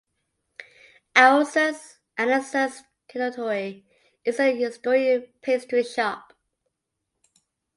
Elsa Andersons Konditori is a historic pastry shop.